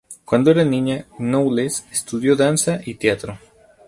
Cuando era niña, Knowles estudió danza y teatro.